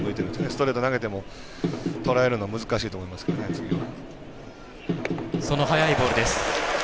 ストレート投げても抑えるの難しいと思います次は。